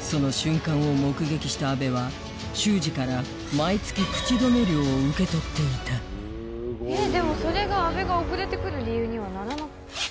その瞬間を目撃した安部は秀司から毎月口止め料を受け取っていたでもそれが安部が遅れてくる理由にはならない。